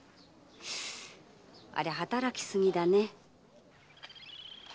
ありゃ働き過ぎだね。